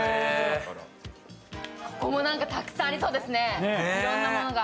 ここもなんかたくさんありそうですね、いろんなものが。